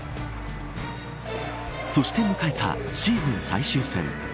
そして迎えたシーズン最終戦。